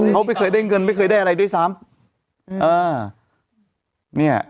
เขาไม่เคยได้เงินไม่เคยได้อะไรด้วยซ้ำ